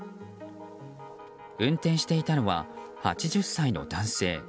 運転していたのは８０歳の男性。